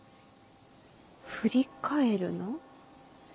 「振り返るな」？